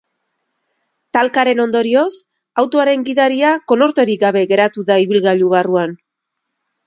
Talkaren ondorioz, autoaren gidaria konorterik gabe geratu da ibilgailu barruan.